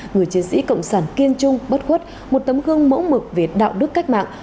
người chiến sĩ cộng sản kiên trung bất khuất một tấm gương mẫu mực về đạo đức cách mạng